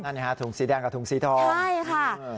นั่นไงฮะถุงสีแดงกับถุงสีทอง